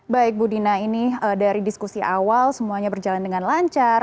baik bu dina ini dari diskusi awal semuanya berjalan dengan lancar